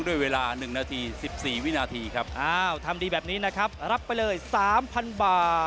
ด้วยเวลาหนึ่งนาทีสิบสี่วินาทีครับอ้าวทำดีแบบนี้นะครับรับไปเลยสามพันบาล